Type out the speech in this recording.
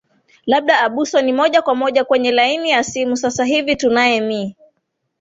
labda abuso mi moja kwa moja kwenye laini ya simu hivi sasa tunae me